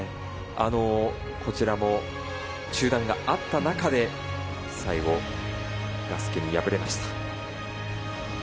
こちらも中断があった中で最後ガスケに敗れました。